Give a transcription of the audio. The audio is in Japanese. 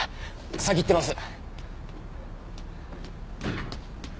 先に行ってます！